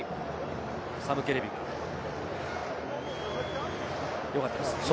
サム・ケレビ、よかったですね。